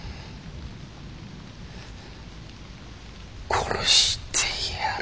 殺してやる。